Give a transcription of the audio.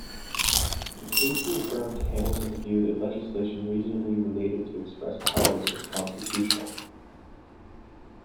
The case reaffirmed Hamilton's view that legislation reasonably related to express powers was constitutional.